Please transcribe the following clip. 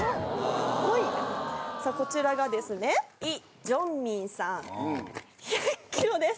こちらがですねイ・ジョンミンさん１００ｋｇです。